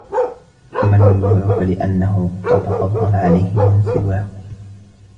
أَمَّا الْمَمْنُوعُ فَلِأَنَّهُ قَدْ فَضَّلَ عَلَيْهِ مَنْ سِوَاهُ